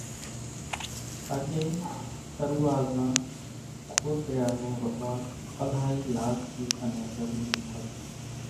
اڳيَ ترُووازان کوتريا نون رواز الائِي لازمِي انين ضرورِي ۿمزتان۔